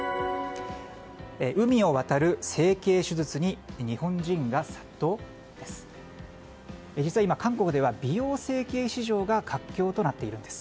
海を渡る整形手術に日本人が殺到？です。